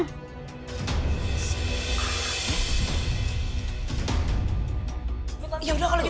ya udah kalau gitu dibangunin